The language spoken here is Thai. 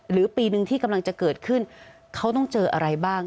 ปีหนึ่งที่กำลังจะเกิดขึ้นเขาต้องเจออะไรบ้าง